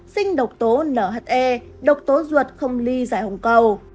sinh độc tố nhe độc tố ruột không ly giải hồng cầu